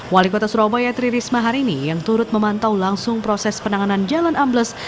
wali kota surabaya tri risma hari ini yang turut memantau langsung proses penanganan jalan ambles